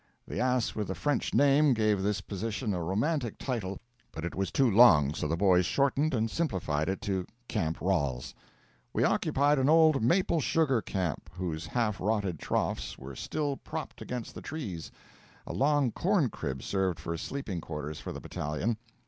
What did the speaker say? The ass with the French name gave this position a romantic title, but it was too long, so the boys shortened and simplified it to Camp Ralls. We occupied an old maple sugar camp, whose half rotted troughs were still propped against the trees. A long corn crib served for sleeping quarters for the battalion.